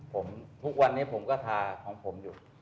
ผมทุกวันนี้ผมก็ทาของผมอยู่